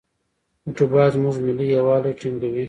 فوټبال زموږ ملي یووالی ټینګوي.